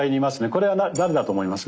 これは誰だと思います？